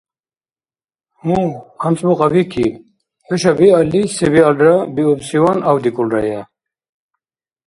— Гьу, анцӀбукь абикиб. ХӀуша биалли се-биалра биубсиван авдикӀулрая.